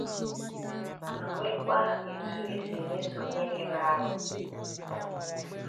ma nwekwa etu e si emeso onye mere arụ